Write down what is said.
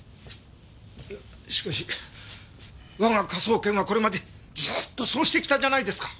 いやしかし我が科捜研はこれまでずっとそうしてきたじゃないですか！